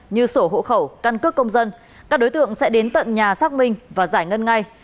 như sổ hộ khẩu căn cước công dân các đối tượng sẽ đến tận nhà xác minh và giải ngân ngay